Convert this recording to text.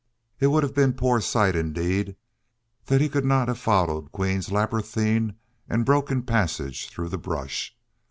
It would have been poor sight indeed that could not have followed Queen's labyrinthine and broken passage through the brush.